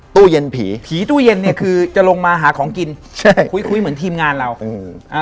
ตู้เย็นผีผีตู้เย็นเนี้ยคือจะลงมาหาของกินใช่คุยคุยเหมือนทีมงานเราอืมอ่า